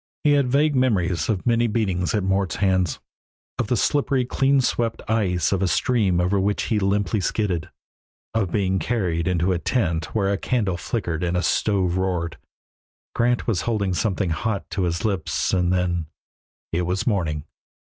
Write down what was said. He had vague memories of many beatings at Mort's hands, of the slippery clean swept ice of a stream over which he limply skidded, of being carried into a tent where a candle flickered and a stove roared. Grant was holding something hot to his lips, and then It was morning.